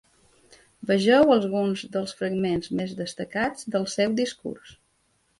Vegeu alguns dels fragments més destacats del seu discurs.